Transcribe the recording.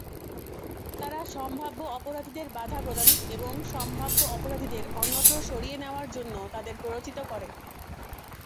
তারা সম্ভাব্য অপরাধীদের বাধা প্রদান এবং সম্ভাব্য অপরাধীদের অন্যত্র সরিয়ে নেওয়ার জন্য তাদের প্ররোচিত করে।